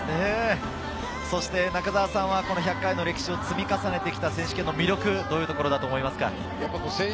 そして中澤さんはこの１００回の歴史を積み重ねてきた選手権の魅力、どんなところだと思いますか？